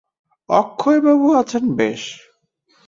অক্ষয়বাবু আছেন বেশ।